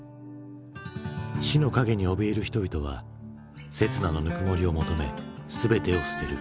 死の影におびえる人々は刹那のぬくもりを求め全てを捨てる。